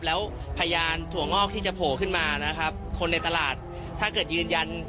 แล้วพยานถั่วงอกที่จะโผล่ขึ้นมานะครับคนในตลาดถ้าเกิดยืนยัน